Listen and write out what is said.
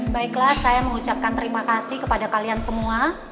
baiklah saya mengucapkan terima kasih kepada kalian semua